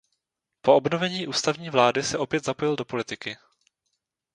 Po obnovení ústavní vlády se opět zapojil do politiky.